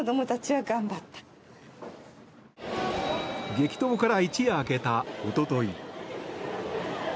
激闘から一夜明けたおととい。